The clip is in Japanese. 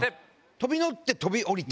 飛び乗って飛び降りた。